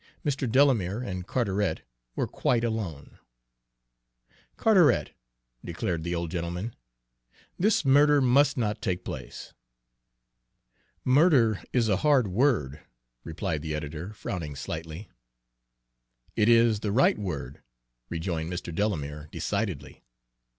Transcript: Mr. Delamere and Carteret were quite alone. "Carteret," declared the old gentleman, "this murder must not take place." "'Murder' is a hard word," replied the editor, frowning slightly. "It is the right word," rejoined Mr. Delamere, decidedly.